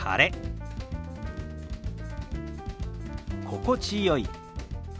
「心地よい」。